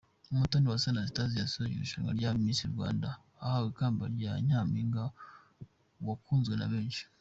Umutoniwase Anastasie yasoje irushanwa rya Miss Rwanda ahawe ikamba rya Nyampinga wakunzwe na benshi.